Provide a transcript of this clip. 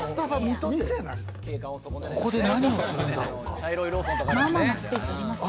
ここで何をするんだろうか？